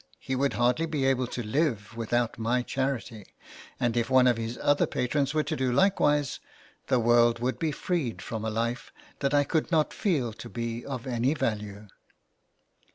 He would hardly be able to live without my charity, and if one of his other patrons were to do likewise the world would be freed from a life that I could not feel to be of any value.